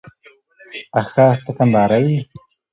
آښه ته کندهاری يې؟